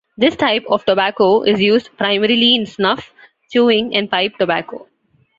This type of tobacco is used primarily in snuff, chewing and pipe tobacco.